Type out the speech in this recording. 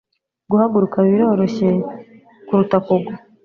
guhaguruka biroroshye kuruta kugwa